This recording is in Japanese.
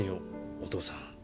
お父さん。